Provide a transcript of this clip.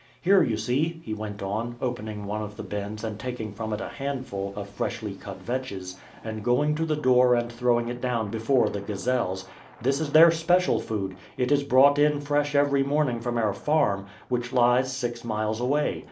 "Here, you see," he went on, opening one of the bins and taking from it a handful of freshly cut vetches, and going to the door and throwing it down before the gazelles, "this is their special food; it is brought in fresh every morning from our farm, which lies six miles away.